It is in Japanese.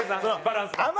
バランスだ。